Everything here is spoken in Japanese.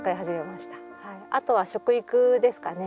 あとは食育ですかね